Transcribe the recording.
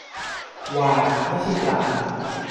วาฬ ไม่ใช่ปลา